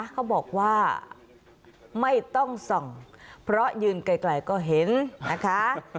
เขาบอกว่าไม่ต้องส่องเพราะยืนไกลก็เห็นนะคะ